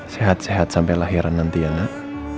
sehat sehat sampai lahiran nanti ya nak